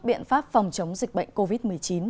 biện pháp phòng chống dịch bệnh covid một mươi chín